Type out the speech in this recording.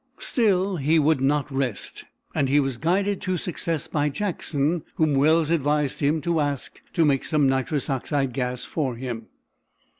Still, he would not rest, and he was guided to success by Jackson, whom Wells advised him to ask to make some nitrous oxide gas for him.